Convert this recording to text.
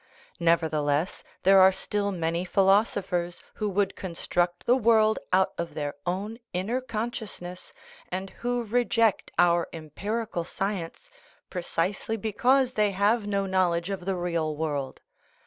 Nevertheless, there are still many philos ophers who would construct the world out of their own inner consciousness, and who reject our empirical science precisely because they have no knowledge of the real world.